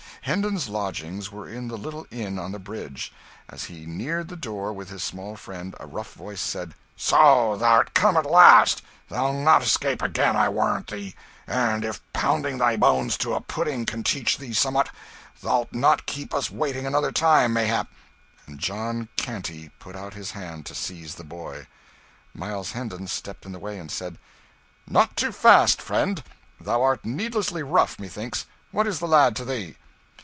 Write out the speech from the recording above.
Hendon's lodgings were in the little inn on the Bridge. As he neared the door with his small friend, a rough voice said "So, thou'rt come at last! Thou'lt not escape again, I warrant thee; and if pounding thy bones to a pudding can teach thee somewhat, thou'lt not keep us waiting another time, mayhap," and John Canty put out his hand to seize the boy. Miles Hendon stepped in the way and said "Not too fast, friend. Thou art needlessly rough, methinks. What is the lad to thee?"